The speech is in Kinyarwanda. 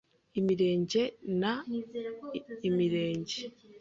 Imirenge na Imirenge